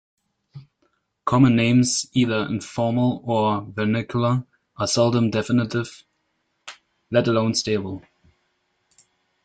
Common names, either informal or vernacular, are seldom definitive, let alone stable.